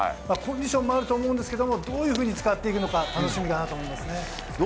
コンディションもあると思いますがどういうふうに使っていくのか楽しみだなと思います。